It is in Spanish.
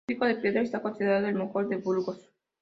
Su púlpito de piedra está considerado el mejor de Burgos.